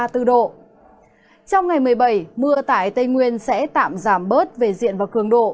trong ngày một mươi bảy mưa tại tây nguyên sẽ tạm giảm bớt về diện và cường độ